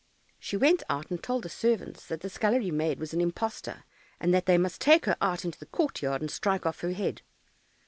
She went out and told the servants that the scullery maid was an impostor, and that they must take her out into the court yard and strike off her head.